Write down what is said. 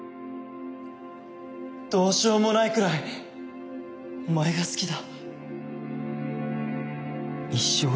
どうしようもないくらいお前が好きだ。